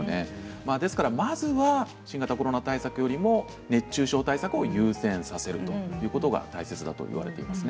ですからまずは新型コロナ対策よりも熱中症対策を優先させるということが大切だと思います。